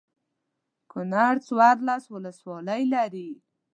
کنړ څوارلس ولسوالۍ لري.